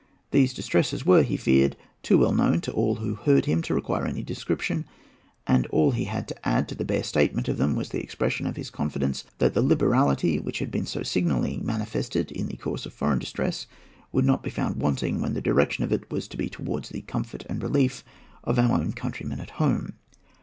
These distresses were, he feared, too well known to all who heard him to require any description; and all he had to add to the bare statement of them was the expression of his confidence that the liberality which had been so signally manifested in the course of foreign distress would not be found wanting when the direction of it was to be towards the comfort and relief of our own countrymen at home.